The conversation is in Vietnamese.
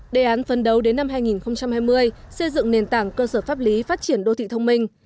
đề án phân đấu đến năm hai nghìn hai mươi xây dựng nền tảng cơ sở pháp lý phát triển đô thị thông minh